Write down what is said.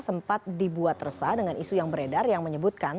sempat dibuat resah dengan isu yang beredar yang menyebutkan